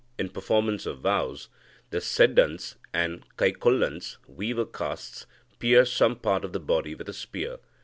In performance of vows, the Sedans and Kaikolans (weaver castes) pierce some part of the body with a spear.